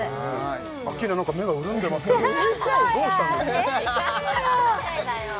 アッキーナ何か目がうるんでますけどどうしたんですか？